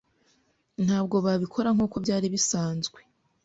Ntabwo babikora nkuko byari bisanzwe.